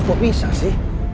kok bisa sih